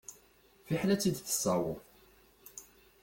Fiḥel ad tt-id-tessawweḍ.